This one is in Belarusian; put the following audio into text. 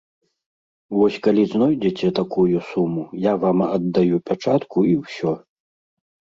Вось калі знойдзеце такую суму, я вам аддаю пячатку і ўсё.